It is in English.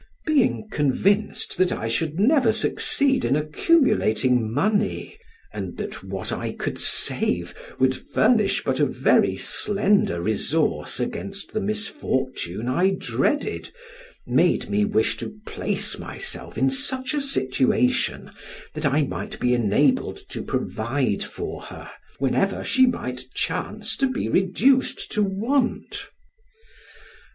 Being convinced that I should never succeed in accumulating money, and that what I could save would furnish but a very slender resource against the misfortune I dreaded, made me wish to place myself in such a situation that I might be enabled to provide for her, whenever she might chance to be reduced to want.